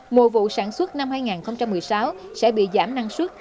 mùa vụ sản xuất năm hai nghìn một mươi sáu sẽ bị giảm năng suất